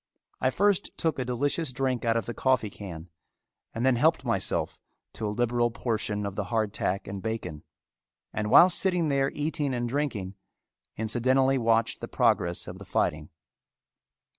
I first took a delicious drink out of the coffee can and then helped myself to a liberal portion of the hard tack and bacon, and while sitting there eating and drinking, incidentally watched the progress of the fighting.